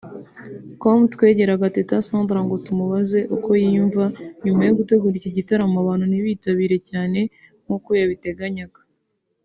com twegeraga Teta Sandra ngo tumubaze uko yiyumva nyuma yo gutegura iki gitaramo abantu ntibitabire cyane nkuko yabiteganyaga